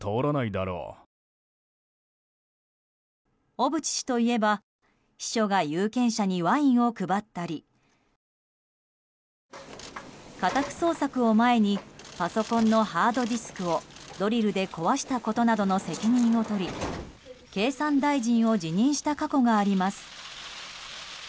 小渕氏といえば秘書が有権者にワインを配ったり家宅捜索を前にパソコンのハードディスクをドリルで壊したことなどの責任を取り経産大臣を辞任した過去があります。